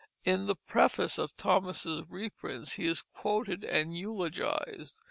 In the prefaces of Thomas' reprints he is quoted and eulogized.